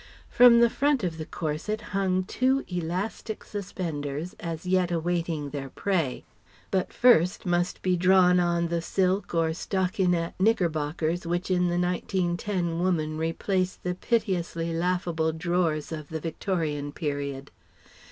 From the front of the corset hung two elastic suspenders as yet awaiting their prey. But first must be drawn on the silk or stockinette knickerbockers which in the 1910 woman replaced the piteously laughable drawers of the Victorian period.